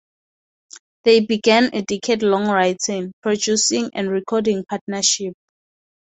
They began a decade-long writing, producing, and recording partnership.